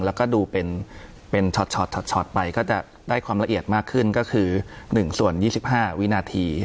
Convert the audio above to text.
แล้วก็ดูเป็นช็อตไปก็จะได้ความละเอียดมากขึ้นก็คือ๑ส่วน๒๕วินาที